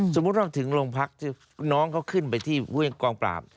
สมมุติเราถึงโรงพักที่น้องเขาขึ้นไปที่กองปราบ